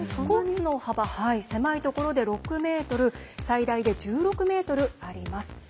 コースの幅狭いところで６ｍ最大で１６ｍあります。